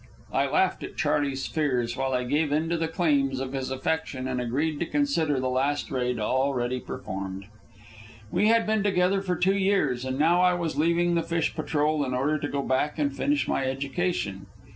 I laughed at Charley's fears while I gave in to the claims of his affection, and agreed to consider the last raid already performed. We had been together for two years, and now I was leaving the fish patrol in order to go back and finish my education.